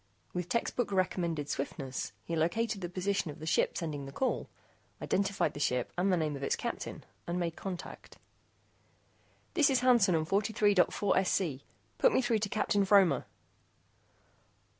With textbook recommended swiftness, he located the position of the ship sending the call, identified the ship and the name of its captain, and made contact. "This is Hansen on 43.4SC. Put me through to Captain Fromer."